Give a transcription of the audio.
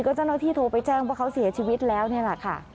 เจ้าหน้าที่โทรไปแจ้งว่าเขาเสียชีวิตแล้วนี่แหละค่ะ